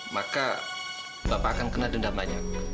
maka bapak akan kena denda banyak